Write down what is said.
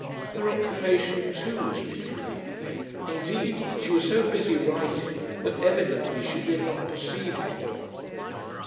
Her occupation, too, was literary. Indeed, she was so busy writing that evidently she did not perceive him.